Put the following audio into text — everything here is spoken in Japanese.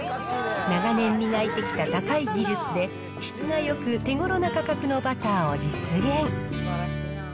長年磨いてきた高い技術で、質がよく、手ごろな価格のバターを実現。